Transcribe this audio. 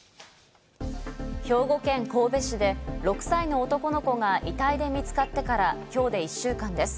兵庫県神戸市で６歳の男の子が遺体で見つかってから、きょうで１週間です。